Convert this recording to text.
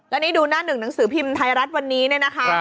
แล้วนี่ดูหน้าหนึ่งหนังสือพิมพ์ไทยรัฐวันนี้เนี่ยนะคะ